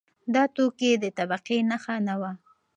دا توکی د طبقې نښه نه وه.